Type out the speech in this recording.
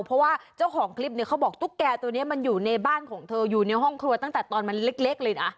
เพราะว่าเจ้าของคลิปเนี่ยเขาบอกตุ๊กแก่ตัวนี้มันอยู่ในบ้านของเธออยู่ในห้องครัวตั้งแต่ตอนมันเล็กเลยนะ